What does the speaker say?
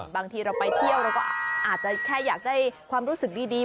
บางทีเราไปเที่ยวเราก็อาจจะแค่อยากได้ความรู้สึกดี